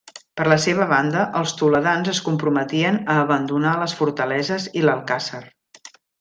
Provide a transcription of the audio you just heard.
Per la seva banda, els toledans es comprometien a abandonar les fortaleses i l'alcàsser.